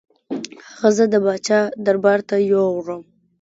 هغه زه د پاچا دربار ته یووړم.